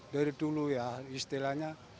dari dulu ya istilahnya